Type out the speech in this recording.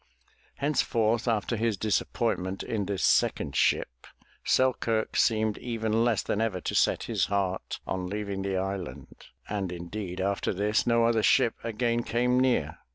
Henceforth, after his disappointment in this second ship, Sel kirk seemed even less than ever to set his heart on leaving the island. And indeed after this no other ship again came near.